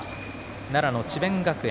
奈良の智弁学園。